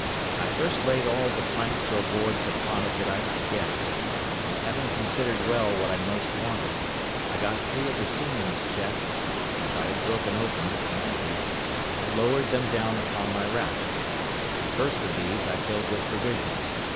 I first laid all the planks or boards upon it that I could get, and having considered well what I most wanted, I got three of the seamen's chests, which I had broken open, and emptied, and lowered them down upon my raft; the first of these I filled with provisions—viz.